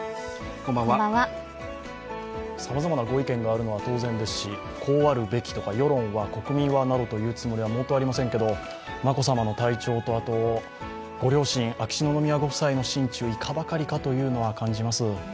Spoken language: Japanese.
さまざまなご意見があるのは当然ですしこうあるべきとか、世論は、国民はなどと言うつもりは毛頭ありませんけど、眞子さまの体調と、ご両親、秋篠宮ご夫妻の心中いかばかりかというのは感じます。